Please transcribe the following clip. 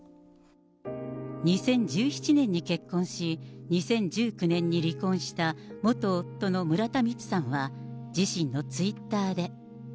２０１７年に結婚し、２０１９年に離婚した元夫の村田充さんは、自身のツイッターで。